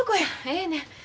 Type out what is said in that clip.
ええねん。